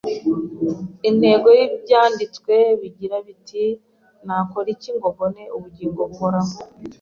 intego y’Ibyanditswe bigira biti, ‘Nakora iki ngo mbone ubugingo buhoraho